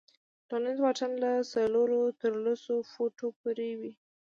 ټولنیز واټن له څلورو تر لسو فوټو پورې وي.